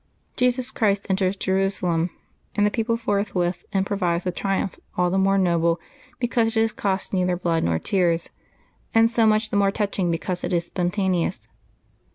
Jesus Christ enters Jerusalem, and the people forthwith improvise a triumph all the more noble because it has cost neither blood nor tears, and so much the more touching because it is spontaneous.